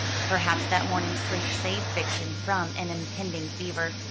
Perhaps that morning sleep saved Vixen from an impending fever.